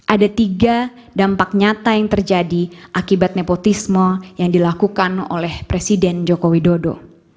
ada tiga dampak nyata yang terjadi akibat nepotisme yang dilakukan oleh presiden joko widodo